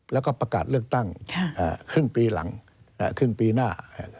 แล้วก็ประกาศเลือกตั้งครึ่งปีหลังครึ่งปีหน้า